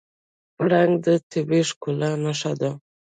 پړانګ د طبیعي ښکلا نښه ده.